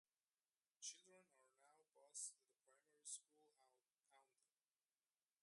Children are now bussed to the primary school at Oundle.